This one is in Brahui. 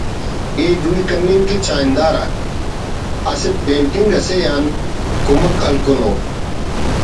ءِ دوئی کننگ کن چاہندار آک اسہ پینٹنگ اسے آن کمک ہلکنو